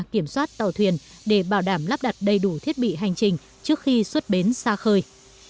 kiểm soát tàu thuyền để bảo đảm lắp đặt đầy đủ thiết bị hành trình trước khi xuất bến xa khơi